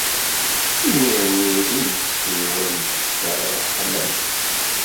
Imir-nni iles-iw ad icekker ṛṛeḥma-k.